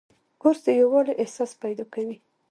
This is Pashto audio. کورس د یووالي احساس پیدا کوي.